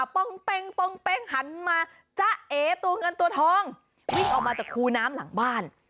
ป้องเป้งหันมาจ๊ะเอตัวเงินตัวทองวิ่งออกมาจากคูน้ำหลังบ้าน